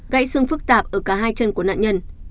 gãy xương phức tạp ở cả hai chân của nạn nhân